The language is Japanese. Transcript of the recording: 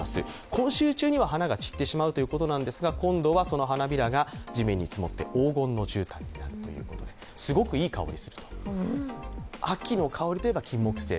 今週中には花が散ってしまうということですが今度はその花びらが地面に積もって黄金のじゅうたんになって、すごくいい香りがすると秋の香りとすれば、金もくせい。